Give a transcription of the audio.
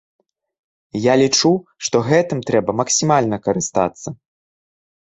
Я лічу, што гэтым трэба максімальна карыстацца.